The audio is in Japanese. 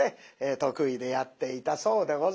得意でやっていたそうでございます。